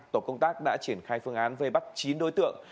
tổ công tác đã triển khai phương án vây bắt chín đối tượng